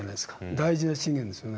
大事な資源ですよね。